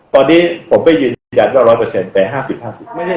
ตอนนี้ผมก็ยืนยันว่าร้อยเปอร์เซ็นต์แต่ห้าสิบห้าสิบ